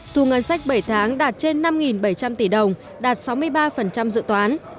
thu ngân sách bảy tháng đạt trên năm bảy trăm linh tỷ đồng đạt sáu mươi ba dự toán